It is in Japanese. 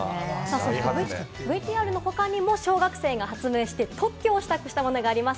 ＶＴＲの他にも小学生が発明した、特許を取得したものがあります。